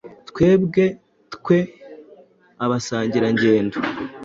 Twebwe twe abasangirangendo